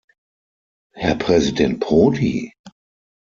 Herr Präsident Prodi!